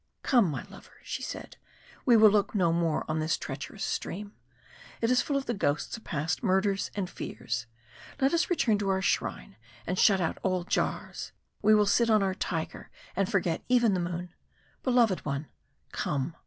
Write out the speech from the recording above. "Come, my lover," she said, "we will look no more on this treacherous stream! It is full of the ghosts of past murders and fears. Let us return to our shrine and shut out all jars; we will sit on our tiger and forget even the moon. Beloved one come!"